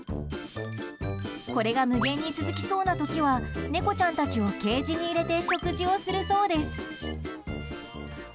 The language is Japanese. これが無限に続きそうな時は猫ちゃんたちをケージに入れて食事をするそうです。